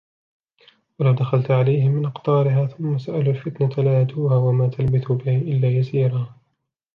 ولو دخلت عليهم من أقطارها ثم سئلوا الفتنة لآتوها وما تلبثوا بها إلا يسيرا